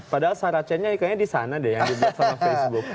padahal saracenya ikannya di sana deh yang dibuat sama facebook